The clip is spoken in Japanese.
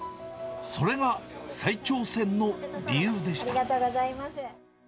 それが再挑戦の理由でした。